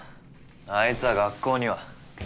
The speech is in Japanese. あいつは学校には。